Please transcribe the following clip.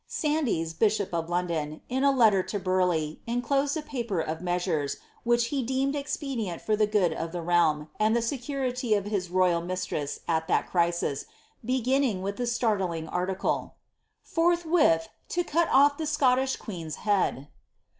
Sandys, hishi London, in a letter to Burleigh, enclosed a paper of mea^iures, whit: deemed expedient for the good of the realm, and the security n royal mistress at that crisis, beginning with this siartling article, ^ F with to cut olT the Scottish queen's head."'